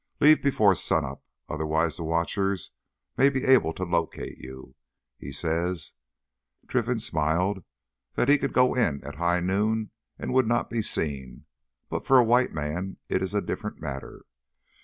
Leave before sunup. Otherwise the watchers may be able to locate you. He says"—Trinfan smiled—"that he could go at high noon and would not be seen. But for a white man is a different matter."